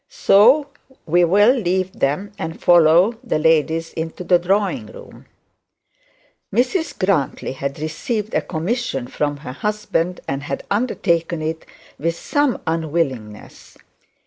So we will leave them, and follow the ladies into the drawing room. Mrs Grantly had received a commission from her husband, and had undertaken it with some unwillingness.